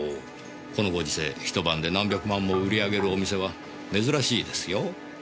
このご時世ひと晩で何百万も売り上げるお店は珍しいですよ。